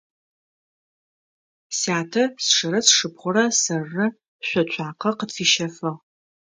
Сятэ сшырэ сшыпхъурэ сэрырэ шъо цуакъэ къытфищэфыгъ.